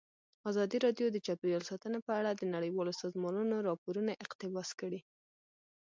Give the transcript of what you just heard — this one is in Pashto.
ازادي راډیو د چاپیریال ساتنه په اړه د نړیوالو سازمانونو راپورونه اقتباس کړي.